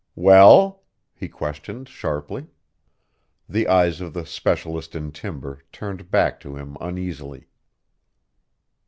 "Well?" he questioned sharply. The eyes of the specialist in timber turned back to him uneasily.